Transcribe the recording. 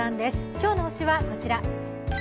今日の推しはこちら。